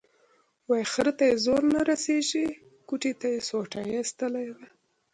وایي خره ته یې زور نه رسېږي، کتې ته یې سوټي ایستلي دي.